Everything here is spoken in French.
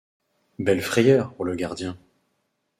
Belle frayeur pour le gardien.